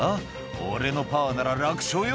「俺のパワーなら楽勝よ」